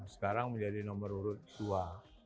sekarang menjadi nomor urut dua